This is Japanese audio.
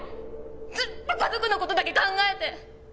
ずっと家族のことだけ考えて。